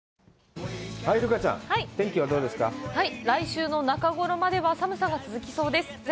来週の中ごろまでは寒さが続きそうです。